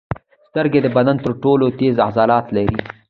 سترګې د بدن تر ټولو تېز عضلات لري.